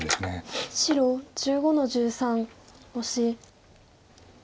白１５の十三オシ。